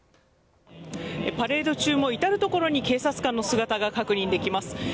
パレード中も至る所に警察官の姿が確認できます。